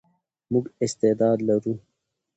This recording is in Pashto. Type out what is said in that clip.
موږ استعداد لرو.